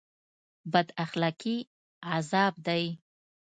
بد اخلاقي عذاب دی